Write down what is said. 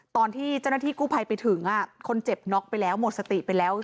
ตอนที่เจ้าหน้าที่กู้ภัยไปถึงคนเจ็บน็อกไปแล้วหมดสติไปแล้ว